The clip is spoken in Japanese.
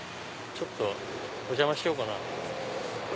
ちょっとお邪魔しようかな。